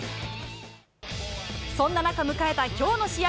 そんな中、迎えたきょうの試合。